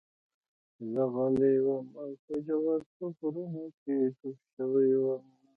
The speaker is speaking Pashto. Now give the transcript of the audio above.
زه غلی وم او په ژورو فکرونو کې ډوب شوی وم